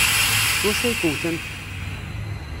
S wacu ay k-wtent?